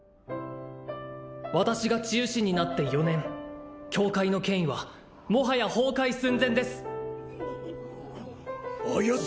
私が治癒士になって４年教会の権威はもはや崩壊寸前ですあやつ